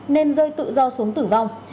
nên rơi tự do xuống tử vong